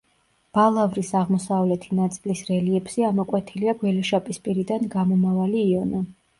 ბალავრის აღმოსავლეთი ნაწილის რელიეფზე ამოკვეთილია გველეშაპის პირიდან გამომავალი იონა.